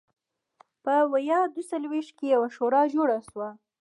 په ویا دوه څلوېښت کې یوه شورا جوړه شوه.